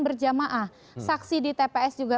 berjamaah saksi di tps juga